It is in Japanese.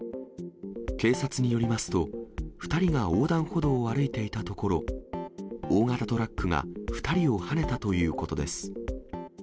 警察によりますと、２人が横断歩道を歩いていたところ、大型トラックが２人をはねたということです。